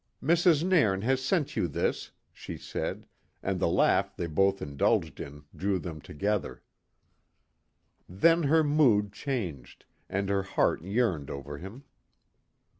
"Mrs. Nairn has sent you this," she said, and the laugh they both indulged in drew them together. Then her mood changed, and her heart yearned over him.